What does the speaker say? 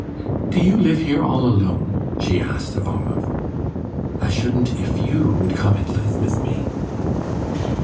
"Do you live here all alone?" she asked of Olive. "I shouldn't if you would come and live with me!"